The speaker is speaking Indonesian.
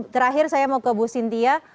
terakhir saya mau ke bu sintia